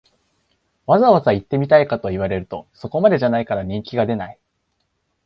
わざわざ行ってみたいかと言われると、そこまでじゃないから人気が出ない